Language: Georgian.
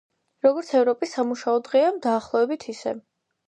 როგორც ევროპის სამუშაო დღეა, დაახლოებით, ისე.